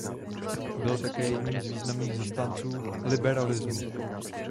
Byl také jedním z významných zastánců liberalismu.